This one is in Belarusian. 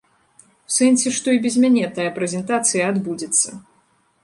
У сэнсе, што і без мяне тая прэзентацыя адбудзецца.